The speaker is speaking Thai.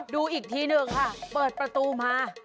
ดูอีกทีหนึ่งค่ะเปิดประตูมา